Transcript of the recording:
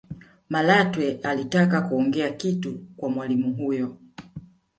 malatwe alitaka kuongea kitu kwa mwalimu huyo